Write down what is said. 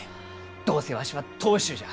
どうせわしは当主じゃ！